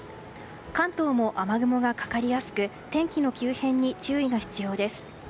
関東も雨雲がかかりやすく天気の急変に注意が必要です。